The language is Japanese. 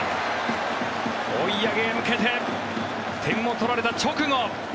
追い上げへ向けて点を取られた直後